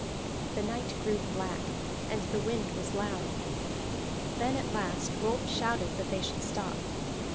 The night grew black, and the wind was loud. Then at last Rolf shouted that they should stop.